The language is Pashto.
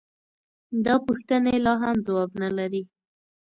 دا پوښتنې لا هم ځواب نه لري.